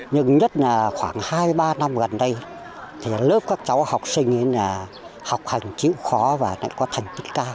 nhưng nhất là khoảng hai ba năm gần đây thì lớp các cháu học sinh học hành chịu khó và lại có thành tích cao